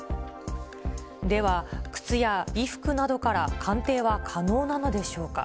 では、靴や衣服などから鑑定は可能なのでしょうか。